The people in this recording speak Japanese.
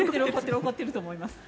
怒ってると思います。